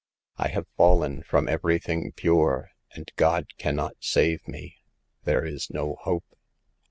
6 1 have fallen from everything pure, and God can not save me ; there is no hope.'